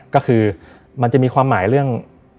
ก็คือมันจะมีความหมายเรื่อง